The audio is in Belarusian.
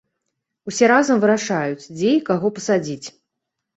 Усе разам вырашаюць дзе і каго пасадзіць.